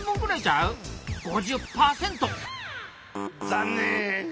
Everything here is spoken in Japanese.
残念！